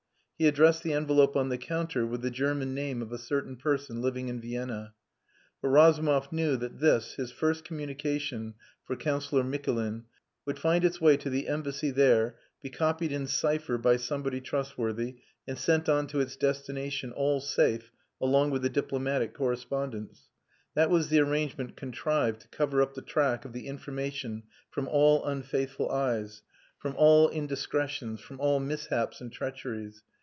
He addressed the envelope on the counter with the German name of a certain person living in Vienna. But Razumov knew that this, his first communication for Councillor Mikulin, would find its way to the Embassy there, be copied in cypher by somebody trustworthy, and sent on to its destination, all safe, along with the diplomatic correspondence. That was the arrangement contrived to cover up the track of the information from all unfaithful eyes, from all indiscretions, from all mishaps and treacheries.